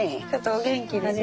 お元気でね。